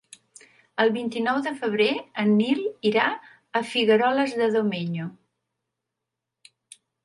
El vint-i-nou de febrer en Nil irà a Figueroles de Domenyo.